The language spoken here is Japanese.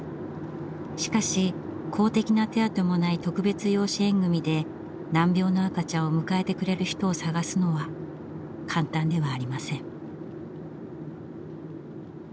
しかし公的な手当もない特別養子縁組で難病の赤ちゃんを迎えてくれる人を探すのは簡単ではありません。